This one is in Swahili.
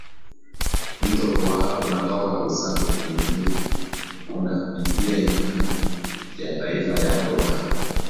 mto ruaha unatoka usangu kuingia unapitia hifadhi ya taifa ya ruaha